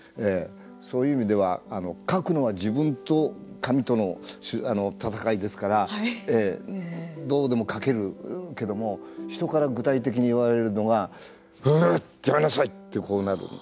そういう意味では描くのは自分と紙との戦いですからどうでも描けるけども人から具体的に言われるのがううっ、やめなさいってなる。